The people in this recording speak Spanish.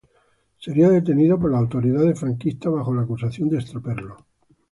Sería detenido por las autoridades franquistas bajo la acusación de estraperlo.